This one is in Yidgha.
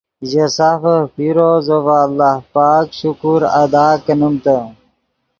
ژے سافف پیرو زو ڤے اللہ پاک شکر ادا کنیمتے